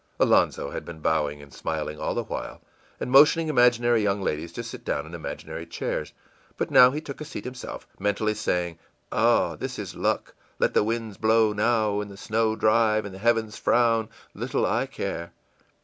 î Alonzo had been bowing and smiling all the while, and motioning imaginary young ladies to sit down in imaginary chairs, but now he took a seat himself, mentally saying, ìOh, this is luck! Let the winds blow now, and the snow drive, and the heavens frown! Little I care!